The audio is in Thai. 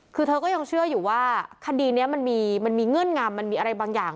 คือเธอก็ยังเชื่ออยู่ว่าคดีนี้มันมีเงื่อนงำมันมีอะไรบางอย่าง